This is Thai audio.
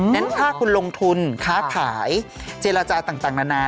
แน่นถ้ากูลงทุนข้าขายเจรจาต่างนาน